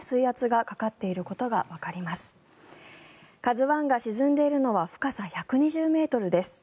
「ＫＡＺＵ１」が沈んでいるのは深さ１２０ｍです。